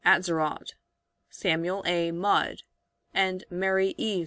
Atzerott, Samuel A. Mudd, and Mary E.